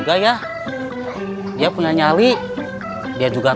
tau di rambutnya gue